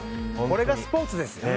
これがスポーツですよ。